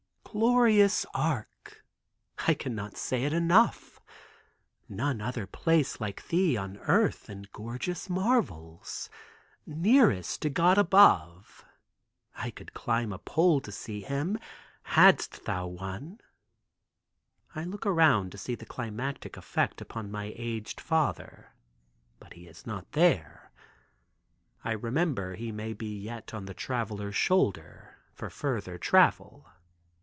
"Glorious Arc!" I can not say it enough! None other place like thee on earth in gorgeous marvels! Nearest to God above! I could climb a Pole to see Him, hadst thou one! I look around to see the climatic effect upon my aged father; but he is not here. I remember he may be yet on the Traveler's shoulder for farther travel.